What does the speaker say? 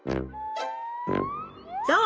そう！